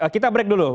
kita break dulu